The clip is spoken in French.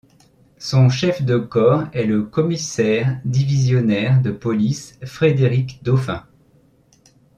Son chef de corps est le Commissaire Divisionnaire de Police Frédéric Dauphin.